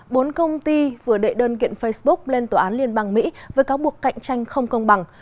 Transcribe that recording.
bốn công ty vừa đệ đơn kiện facebook lên tòa án liên bang mỹ với cáo buộc cạnh tranh không công bằng